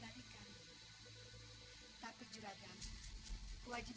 saya menemukan orang évidemment title yang hanya dites inispmy